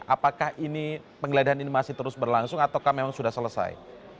apakah penggeledahan ini masih terus berlangsung atau memang sudah selesai